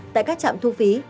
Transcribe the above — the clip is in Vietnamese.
tại các trạm thu phí